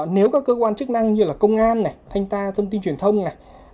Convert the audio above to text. nếu các cơ quan chức năng như là công an này thanh ta thông tin truyền thông này